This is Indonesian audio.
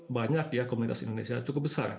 banyak ya komunitas indonesia cukup besar